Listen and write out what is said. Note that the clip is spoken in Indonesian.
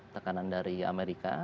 tekanan dari amerika